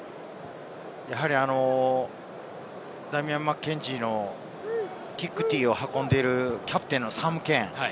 やはりダミアン・マッケンジーのキックティーを運んでいるキャプテンのサム・ケイン。